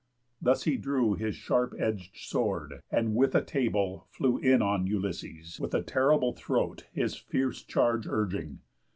Thus he drew His sharp edg'd sword; and with a table flew In on Ulysses, with a terrible throat His fierce charge urging.